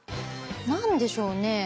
何でしょうね。